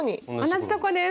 同じとこです。